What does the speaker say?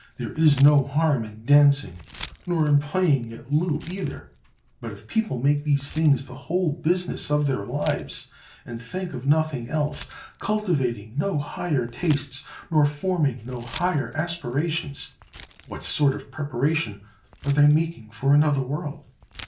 There is no harm in dancing, nor in playing at loo either; but if people make these things the whole business of their lives, and think of nothing else, cultivating no higher tastes, nor forming no higher aspirations, what sort of preparation are they making for another world?